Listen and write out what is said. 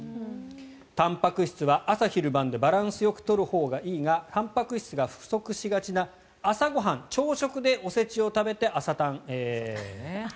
たんぱく質は朝昼晩とバランスよく取るほうがいいがたんぱく質が不足しがちな朝ご飯、朝食でお節を食べて朝たん。